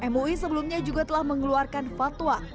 mui sebelumnya juga telah mengeluarkan fatwa